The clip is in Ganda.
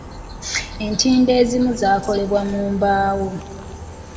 Entindo ezimu zaakolebwa mu mbaawo.